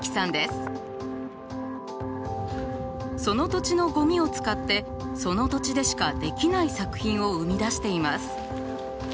その土地のゴミを使ってその土地でしかできない作品を生み出しています。